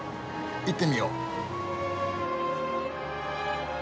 行ってみよう。